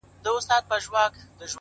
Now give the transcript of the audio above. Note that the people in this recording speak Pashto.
ستا د خــولې خـبري يــې زده كړيدي”